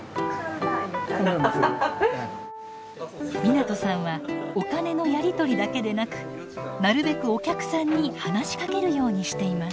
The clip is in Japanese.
湊さんはお金のやり取りだけでなくなるべくお客さんに話しかけるようにしています。